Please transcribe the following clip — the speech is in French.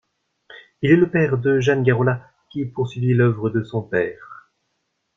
Il est le père de Jeanne Garola, qui poursuivit l’œuvre de son père.